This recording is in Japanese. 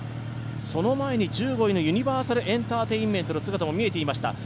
その前に１５位のユニバーサルエンターテインメントの姿も見えていました。